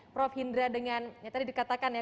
prof hindra dengan ya tadi dikatakan ya